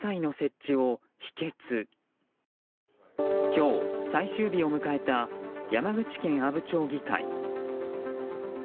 今日、最終日を迎えた山口県阿武町議会。